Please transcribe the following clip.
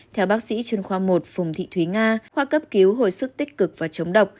theo bác sĩ chuyên khoa một phùng thị thúy nga khoa cấp cứu hồi sức tích cực và chống độc